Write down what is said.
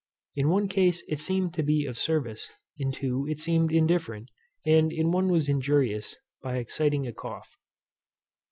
In one case it seemed to be of service, in two it seemed indifferent, and in one was injurious, by exciting a cough.